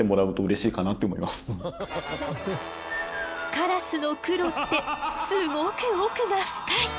カラスの黒ってすごく奥が深い！